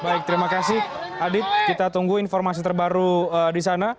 baik terima kasih adit kita tunggu informasi terbaru di sana